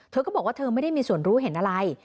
เธอก็บอกว่าเธอไม่ได้มีส่วนรู้เห็นอะไร